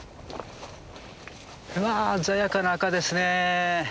うわ鮮やかな赤ですねえ。